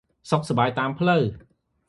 សុខសប្បាយតាមផ្លូវ។